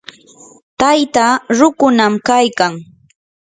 taytaa rukunam kaykan.